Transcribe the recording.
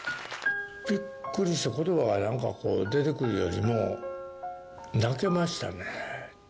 びっくりした、ことばがなんか出てくるよりも泣けましたね。